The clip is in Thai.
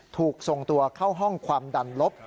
ถูกส่งตัวเข้าห้องความดันลบ